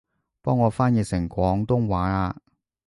幫我翻譯成廣東話吖